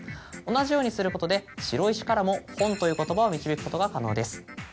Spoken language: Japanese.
同じようにすることで白石からも「ほん」という言葉を導くことが可能です。